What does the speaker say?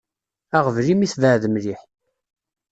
Aɣbel imi tebεed mliḥ.